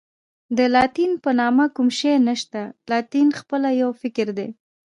د لاتین په نامه کوم شی نشته، لاتین خپله یو فکر دی.